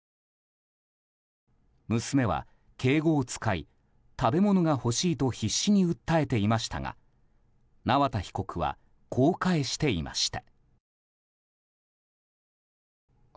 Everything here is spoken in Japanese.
娘は敬語を使い食べ物が欲しいと必死に訴えていましたが縄田被告はこう返していました。